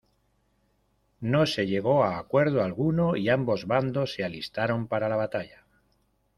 No se llegó a acuerdo alguno y ambos bandos se alistaron para la batalla.